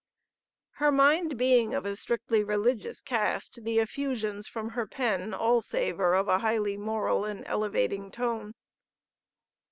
Her mind being of a strictly religious caste, the effusions from her pen all savor of a highly moral and elevating tone.